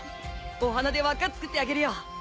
お花で輪っか作ってあげるよ。